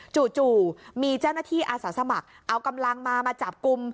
จู่มีเจ้าหน้าที่อาสาสมัครเอากำลังมามาจับกลุ่ม